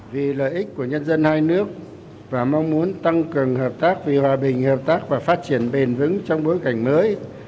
vì lợi ích của nhân dân hai nước và mong muốn tăng cường hợp tác vì hòa bình hợp tác và phát triển bền vững trong bối cảnh mới